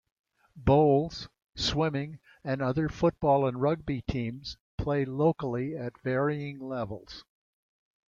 Bowls, swimming and other football and rugby teams play locally at varying levels.